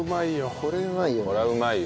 これはうまいよ。